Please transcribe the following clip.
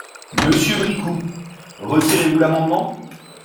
Monsieur Bricout, retirez-vous l’amendement?